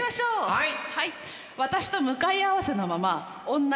はい。